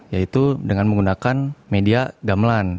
yaitu dengan menggunakan media gamelan